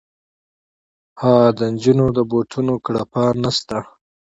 ها د نجونو د بوټونو کړپا نه شته